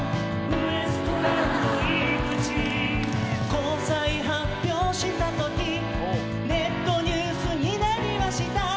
「交際発表したときネットニュースになりました」